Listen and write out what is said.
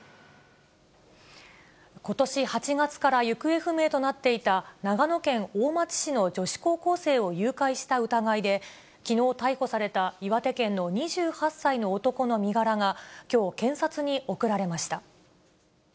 ことし８月から行方不明となっていた、長野県大町市の女子高校生を誘拐した疑いで、きのう逮捕された岩手県の２８歳の男の身柄がきょう、検察に送られました。